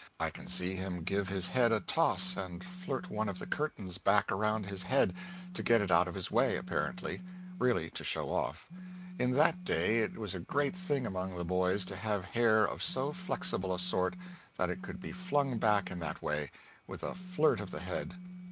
I can see him give his head a toss and flirt one of the curtains back around his head to get it out of his way, apparently; really to show off. In that day it was a great thing among the boys to have hair of so flexible a sort that it could be flung back in that way, with a flirt of the head.